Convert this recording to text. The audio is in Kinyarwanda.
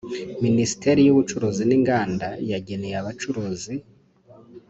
Minisiteri y’ubucuruzi n’inganda yageneye abacuruzi